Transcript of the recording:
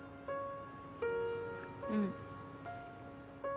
うん。